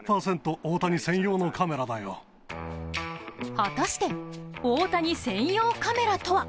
果たして大谷専用カメラとは？